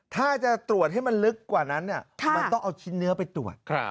ที่ตรวจให้มันลึกกว่านั้นคิดเนื้อไปตรวจ